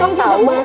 ini cuci banget